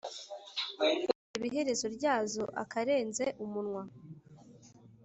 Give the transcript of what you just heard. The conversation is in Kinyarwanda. nkareba iherezo ryazo, akarenze umunwa